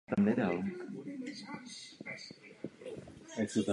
Někteří vědci s touto teorií však nesouhlasí.